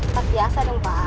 tak biasa dong pak